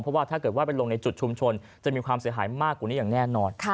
เพราะว่าถ้าเกิดว่าไปลงในจุดชุมชนจะมีความเสียหายมากกว่านี้อย่างแน่นอน